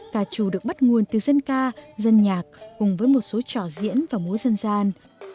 ca trù được bắt nguồn từ dân ca dân nhạc cùng với một số trò diễn và múa dân gian